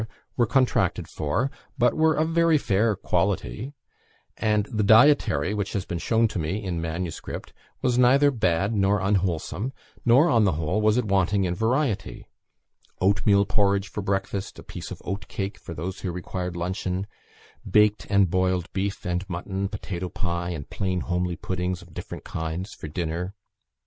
were contracted for, but were of very fair quality; and the dietary, which has been shown to me in manuscript, was neither bad nor unwholesome; nor, on the whole, was it wanting in variety. Oatmeal porridge for breakfast; a piece of oat cake for those who required luncheon; baked and boiled beef, and mutton, potato pie, and plain homely puddings of different kinds for dinner.